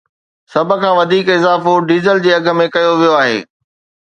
سڀ کان وڌيڪ اضافو ڊيزل جي اگهه ۾ ڪيو ويو آهي